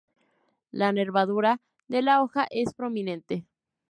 La nervadura de la hoja es prominente.